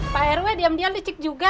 pak rw diam diam licik juga